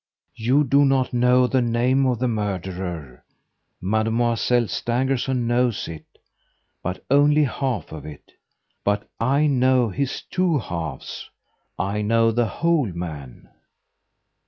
You do not know the name of the murderer. Mademoiselle Stangerson knows it; but only half of it; but I know his two halves; I know the whole man!"